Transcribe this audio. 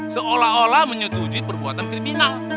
seolah olah menyetujui perbuatan kriminal